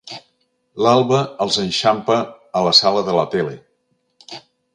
L'alba els enxampa a la sala de la tele.